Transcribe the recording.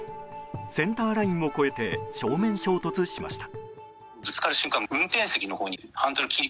センターラインを越えて正面衝突しました。